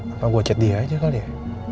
atau saya hanya akan mencetak dia